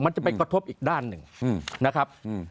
จะไปกระทบอีกด้านหนึ่งนะครับ